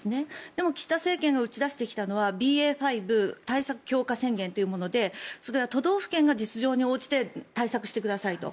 でも岸田政権が打ち出してきたのはＢＡ．５対策強化宣言というものでそれは都道府県が実情に応じて対策してくださいと